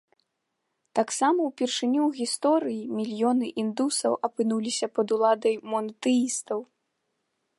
Таксама ўпершыню ў гісторыі мільёны індусаў апынуліся пад уладай монатэістаў.